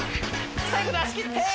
最後出し切って！